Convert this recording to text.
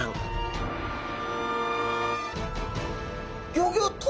ギョギョッと！